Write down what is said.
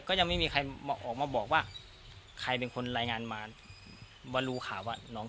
ก็ยังไม่มีใครออกมาบอกว่าใครเป็นคนรายงานมาว่ารู้ข่าวว่าน้อง